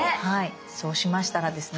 そうしましたらですね